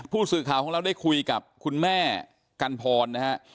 ผู้สื่อข่าวของเราได้คุยกับคุณแม่กันพรนะฮะ